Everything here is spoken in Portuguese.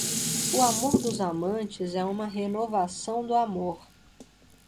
O amor dos amantes é uma renovação do amor.